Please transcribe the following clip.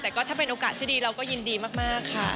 แต่ก็ถ้าเป็นโอกาสที่ดีเราก็ยินดีมากค่ะ